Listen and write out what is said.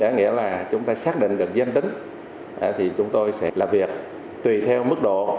có nghĩa là chúng ta xác định được danh tính thì chúng tôi sẽ làm việc tùy theo mức độ